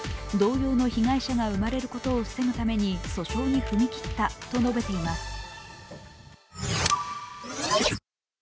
同様の被害者が生まれることを防ぐために訴訟に踏み切ったと述べています。